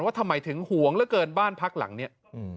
ว่าทำไมถึงห่วงเกินบ้านพักหลังเนี่ย